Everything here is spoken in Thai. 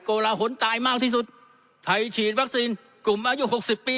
ลาหลตายมากที่สุดไทยฉีดวัคซีนกลุ่มอายุหกสิบปี